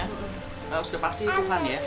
support systemnya sudah pasti tuhan ya